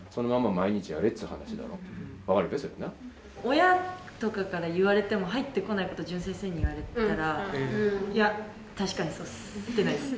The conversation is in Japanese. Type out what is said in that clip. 親とかから言われても入ってこないこと淳先生に言われたらいや確かにそうっすってなる。